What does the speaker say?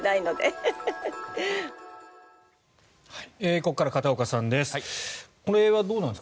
ここから片岡さんです。